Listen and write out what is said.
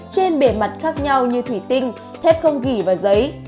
trên bề mặt khác nhau như thủy tinh thép không ghi và giấy